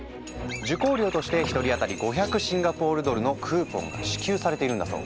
受講料としてひとりあたり５００シンガポールドルのクーポンが支給されているんだそう。